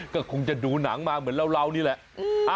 ก็คงจะดูหนังมาเหมือนเรานี่แหละ